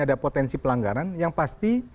ada potensi pelanggaran yang pasti